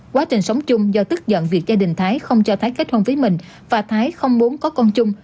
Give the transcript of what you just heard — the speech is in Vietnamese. quá trình sống chung do tức giận việc gia đình thái không cho thái kết hôn với mình và thái không muốn có con chung